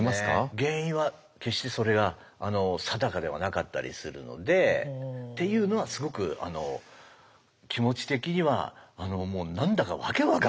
原因は決してそれが定かではなかったりするのでっていうのはすごく気持ち的には何だか訳分からなくなりましたね。